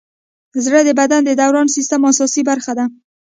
زړه د بدن د دوران سیسټم اساسي برخه ده.